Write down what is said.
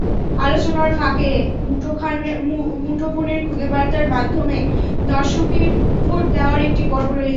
আলোচনার ফাঁকে মুঠোফোনের খুদে বার্তার মাধ্যমে দর্শকের ভোট দেওয়ার একটি পর্ব রয়েছে।